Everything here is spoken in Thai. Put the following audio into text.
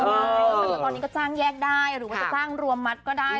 แต่ว่าตอนนี้ก็จ้างแยกได้หรือว่าจะจ้างรวมมัดก็ได้